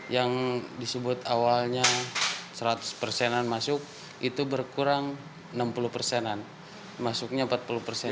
yang disebut awalnya seratus persenan masuk itu berkurang enam puluh persenan masuknya empat puluh persen